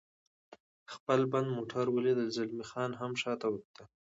خپل بند موټرونه ولیدل، زلمی خان هم شاته کتل.